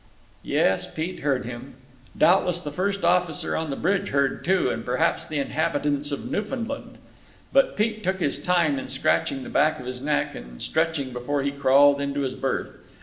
_" Yes, Pete heard him. Doubtless the first officer on the bridge heard, too, and perhaps the inhabitants of Newfoundland. But Pete took his time in scratching the back of his neck and stretching before he crawled into his berth.